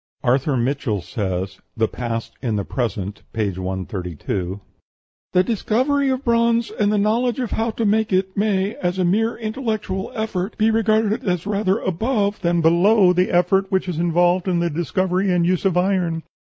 Arthur Mitchell says ("The Past in the Present," p. 132), "The discovery of bronze, and the knowledge of how to make it, may, as a mere intellectual effort, be regarded as rather above than below the effort which is involved in the discovery and use of iron.